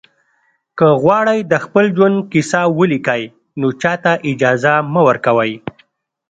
که غواړئ د خپل ژوند کیسه ولیکئ نو چاته اجازه مه ورکوئ.